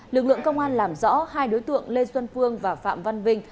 lực lượng công an làm rõ hai đối tượng lê xuân phương và phạm văn vinh